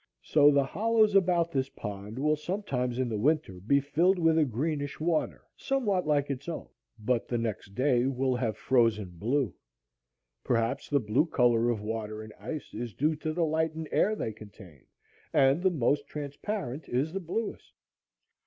So the hollows about this pond will, sometimes, in the winter, be filled with a greenish water somewhat like its own, but the next day will have frozen blue. Perhaps the blue color of water and ice is due to the light and air they contain, and the most transparent is the bluest.